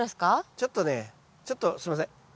ちょっとねちょっとすいません。